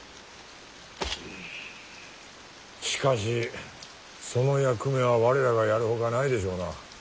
しかしその役目は我らがやるほかないでしょうな。